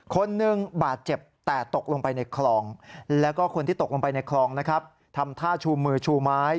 คนหนึ่งบาดเจ็บแต่ตกลงไปในคลองแล้วก็คนที่ตกลงไปในคลองนะครับทำท่าชูมือชูไม้